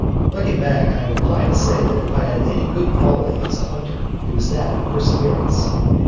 Looking back, I am inclined to say that if I had any good quality as a hunter it was that of perseverance.